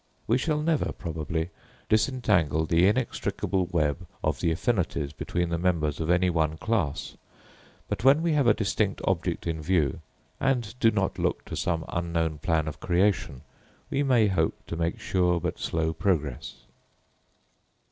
We shall never, probably, disentangle the inextricable web of the affinities between the members of any one class; but when we have a distinct object in view, and do not look to some unknown plan of creation, we may hope to make sure but slow progress.